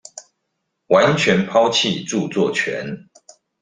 完全拋棄著作權